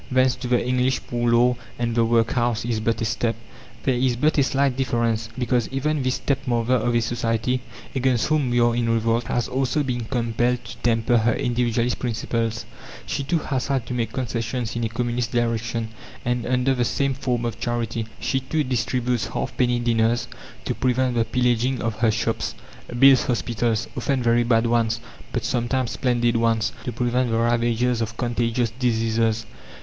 Thence to the English poor law and the workhouse is but a step. There is but a slight difference, because even this stepmother of a society against whom we are in revolt has also been compelled to temper her individualist principles; she, too, has had to make concessions in a communist direction and under the same form of charity. She, too, distributes halfpenny dinners to prevent the pillaging of her shops; builds hospitals often very bad ones, but sometimes splendid ones to prevent the ravages of contagious diseases.